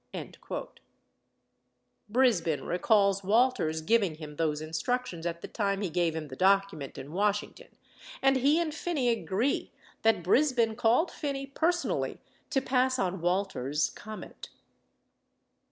" Brisbin recalls Walters giving him those instructions at the time he gave him the document in Washington, and he and Phinney agree that Brisbin called Phinney personally to pass on Walters' comment.